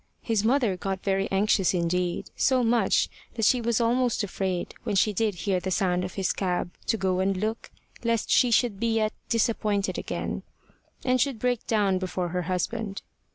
His mother had got very anxious indeed so much so that she was almost afraid, when she did hear the sound of his cab, to go and look, lest she should be yet again disappointed, and should break down before her husband.